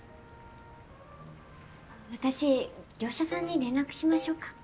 私業者さんに連絡しましょうか？